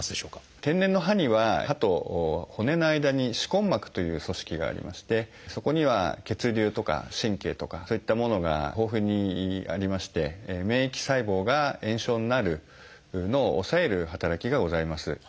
天然の歯には歯と骨の間に歯根膜という組織がありましてそこには血流とか神経とかそういったものが豊富にありまして免疫細胞が炎症になるのを抑える働きがございます。